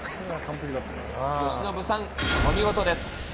由伸さん、お見事です。